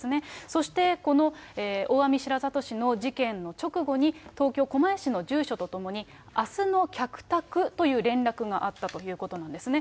そして、この大網白里市の事件の直後に東京・狛江市の住所とともに、あすの客宅という連絡があったということなんですね。